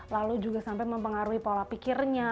lalu juga sampai mempengaruhi pola pikirnya